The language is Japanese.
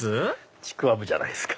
ちくわぶじゃないですか。